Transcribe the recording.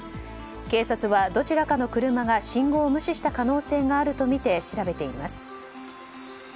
警察はどちらかの車が信号を無視した可能性があるとみて調べています。